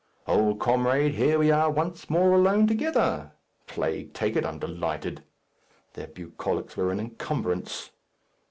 Old comrade, here we are once more alone together. Plague take it! I'm delighted. Their bucolics were an encumbrance.